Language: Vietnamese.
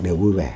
đều vui vẻ